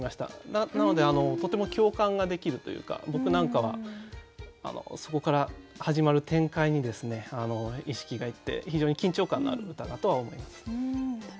なのでとても共感ができるというか僕なんかはそこから始まる展開に意識がいって非常に緊張感のある歌だとは思います。